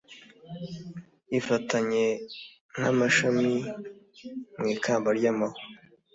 ifatanye nk'amashami mu ikamba ry'amahwa